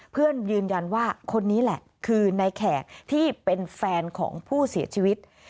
ยืนยันว่าคนนี้แหละคือในแขกที่เป็นแฟนของผู้เสียชีวิต